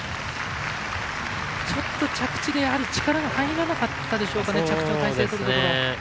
ちょっと着地で力が入らなかったでしょうか。